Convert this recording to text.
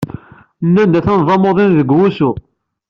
Nnan-d atan d amuḍin deg wusu.